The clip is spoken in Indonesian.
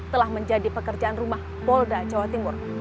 telah menjadi pekerjaan rumah polda jawa timur